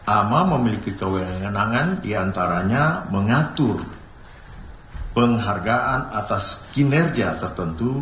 ama memiliki kewenangan diantaranya mengatur penghargaan atas kinerja tertentu